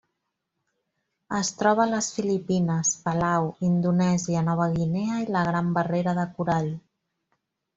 Es troba a les Filipines, Palau, Indonèsia, Nova Guinea i la Gran Barrera de Corall.